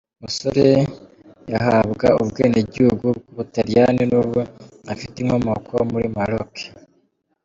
musore yahabwa ubwenegihugu bwu Butaliyani nubwo afite inkomoko muri Maroke.